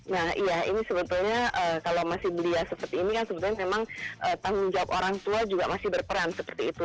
nah iya ini sebetulnya kalau masih belia seperti ini kan sebetulnya memang tanggung jawab orang tua juga masih berperan seperti itu